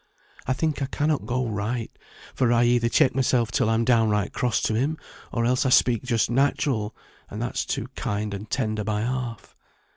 I think I cannot go right, for I either check myself till I'm downright cross to him, or else I speak just natural, and that's too kind and tender by half.